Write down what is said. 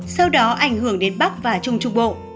sau đó ảnh hưởng đến bắc và trung trung bộ